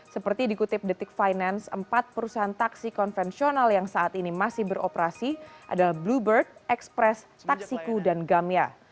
seperti dikutip detik finance empat perusahaan taksi konvensional yang saat ini masih beroperasi adalah bluebird express taksiku dan gamia